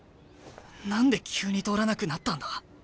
何で急に通らなくなったんだ？